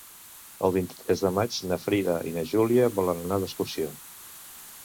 El vint-i-tres de maig na Frida i na Júlia volen anar d'excursió.